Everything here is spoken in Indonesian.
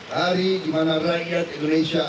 hari dimana rakyat indonesia